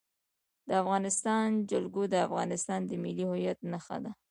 د افغانستان جلکو د افغانستان د ملي هویت نښه ده.